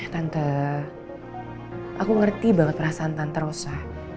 tante aku ngerti banget perasaan tante rosa